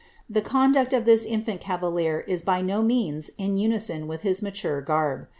The conduct of this infant cavalier is by no means in unison with his mature garb.